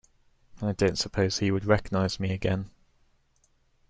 I don’t suppose he would recognise me again.